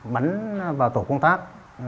bắn vào tổ công tác